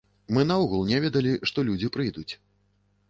Мы наогул не ведалі, што людзі прыйдуць.